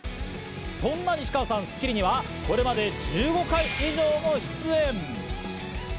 そんな西川さん『スッキリ』にはこれまで１５回以上も出演。